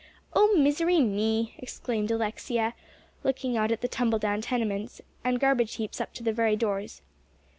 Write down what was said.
"Oh, misery me!" exclaimed Alexia, looking out at the tumble down tenements, and garbage heaps up to the very doors.